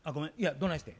どないしてん？